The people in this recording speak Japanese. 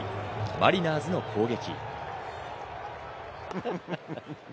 マリナーズの攻撃。